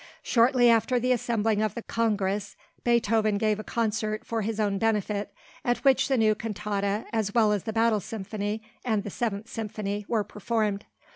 Shortly after the assembling of the Congress Beethoven gave a concert for his own benefit, at which the new Cantata as well as the Battle Symphony and the Seventh Symphony were performed.